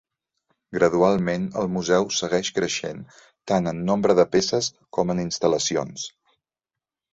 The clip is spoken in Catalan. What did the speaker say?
Gradualment el museu segueix creixent tant en nombre de peces com en instal·lacions.